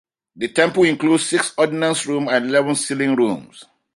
The temple included six ordinance rooms and eleven sealing rooms.